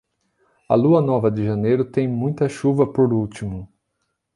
A lua nova de janeiro tem muita chuva por último.